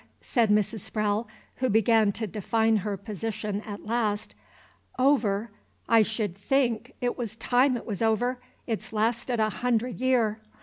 said Mrs. Sprowle, who began to define her position at last, "over! I should think 't was time 't was over! It's lasted a hundud year.